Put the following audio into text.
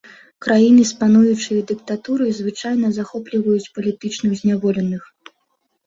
Краіны з пануючай дыктатурай звычайна захопліваюць палітычных зняволеных.